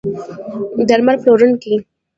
درمل پلورونکي